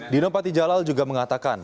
dino patijalal juga mengatakan